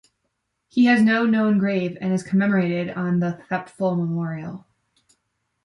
He has no known grave and is commemorated on the Thiepval Memorial.